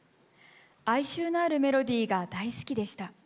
哀愁のあるメロディーが大好きでした。